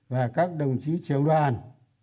và các đồng chí trường đoàn